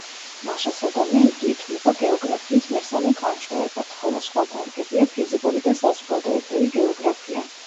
მაშასადამე, იგი ითვლება გეოგრაფიის მესამე განშტოებად, ხოლო სხვა დარგებია ფიზიკური და საზოგადოებრივი გეოგრაფია.